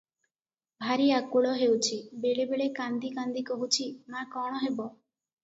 "ଭାରି ଆକୁଳ ହେଉଛି, ବେଳେ ବେଳେ କାନ୍ଦି କାନ୍ଦି କହୁଛି, ମା!କଣ ହେବ?